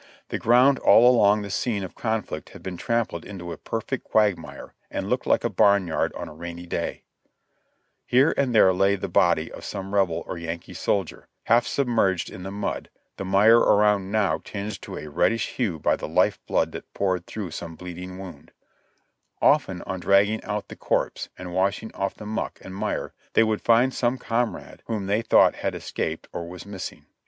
The ground all along the scene of conflict had been trampled into a perfect quagmire and looked like a barn yard on a rainy day; here and there lay the body of some Rebel or Yankee soldier, half submerged in the mud, the mire around now tinged to a reddish hue by the life blood that poured through some bleeding wound ; often on dragging out the corpse and washing off the muck and mire they would find some comrade whom they thought had escaped or was missing.